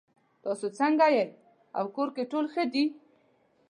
تاسو څنګه یې او کور کې ټول ښه دي